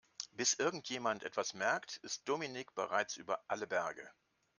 Bis irgendjemand etwas merkt, ist Dominik bereits über alle Berge.